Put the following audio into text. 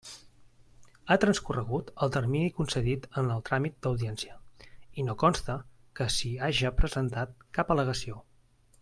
Ha transcorregut el termini concedit en el tràmit d'audiència i no consta que s'hi haja presentat cap al·legació.